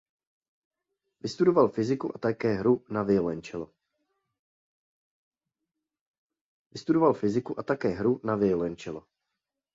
Vystudoval fyziku a také hru na violoncello.